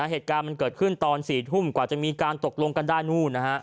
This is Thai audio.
เหตุการณ์มันเกิดขึ้นตอน๔ทุ่มกว่าจะมีการตกลงกันได้นู่นนะฮะ